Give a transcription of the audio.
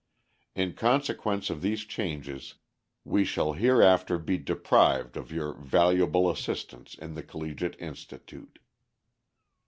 In consequence of these changes we shall hereafter be deprived of your valuable assistance in the collegiate institute.